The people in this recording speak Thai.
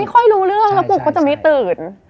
ไม่ค่อยรู้เรื่องแล้วกลุกเขาจะไม่ตื่น